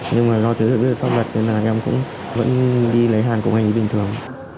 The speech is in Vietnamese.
nhưng mà do chứa được pháp luật nên là em cũng vẫn đi lấy hàng cùng anh ấy bình thường